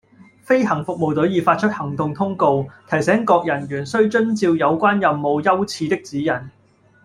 飛行服務隊已發出行動通告，提醒各人員須遵照有關任務優次的指引